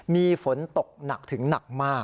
มีฝนตกหนักถึงหนักมาก